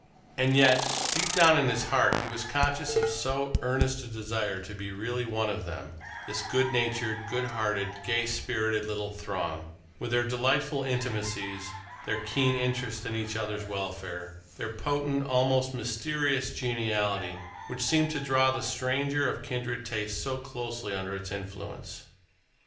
And yet, deep down in his heart he was conscious of so earnest a desire to be really one of them, this good natured, good hearted, gay spirited little throng, with their delightful intimacies, their keen interest in each other's welfare, their potent, almost mysterious geniality, which seemed to draw the stranger of kindred tastes so closely under its influence.